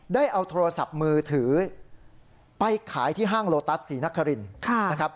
ได้เอาโทรศัพท์มือถือไปขายที่ห้างโลตัสศรีนครินนะครับ